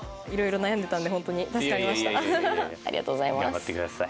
頑張って下さい。